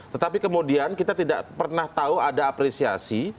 tetapi kemudian kita tidak pernah tahu ada apresiasi